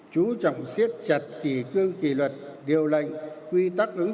chú trọng siết chặt